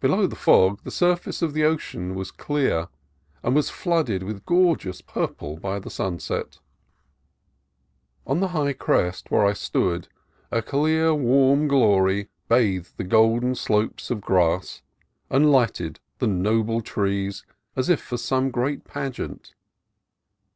Below the fog the surface of the ocean was clear, and was flooded with gorgeous purple by the sunset. On the high crest where I stood, a clear, warm glory bathed the golden slopes of grass and lighted the noble trees as if for some great pageant.